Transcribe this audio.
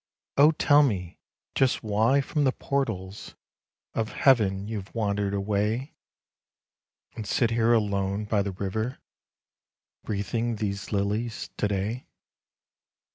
"O! tell me just why from the portals Of Heaven you've wandered away, And sit here alone by the river Wreathing these lilies to day."